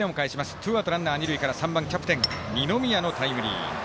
ツーアウト、ランナー、二塁からキャプテンの二宮のタイムリー。